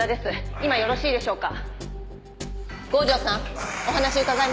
今よろしいでしょうか？